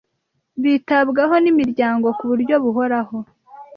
bitabwaho n imiryango ku buryo buhoraho